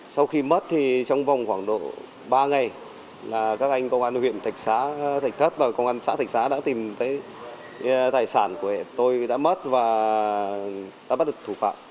sau khi mất thì trong vòng khoảng độ ba ngày là các anh công an huyện thạch xá thạch thất và công an xã thạch xá đã tìm thấy tài sản của hệ tôi đã mất và đã bắt được thủ phạm